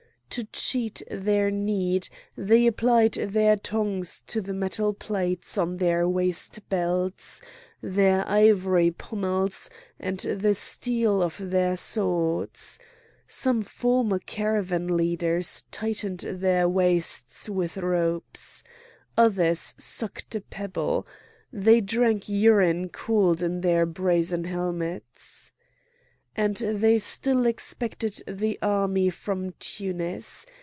To cheat their need they applied their tongues to the metal plates on their waist belts, their ivory pommels, and the steel of their swords. Some former caravan leaders tightened their waists with ropes. Others sucked a pebble. They drank urine cooled in their brazen helmets. And they still expected the army from Tunis!